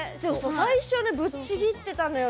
最初はぶっちぎってたんだよ